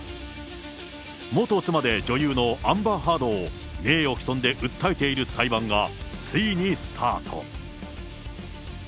元妻で女優のアンバー・ハードを、名誉棄損で訴えている裁判がついにスタート。